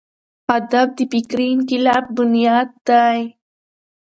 ادب د فکري انقلاب بنیاد دی.